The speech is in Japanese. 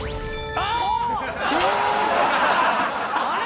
あれ！？